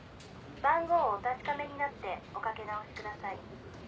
「番号をお確かめになっておかけ直しください」